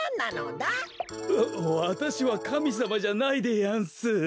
わたしはかみさまじゃないでやんす。